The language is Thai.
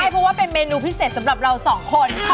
เพราะว่าเป็นเมนูพิเศษสำหรับเราสองคน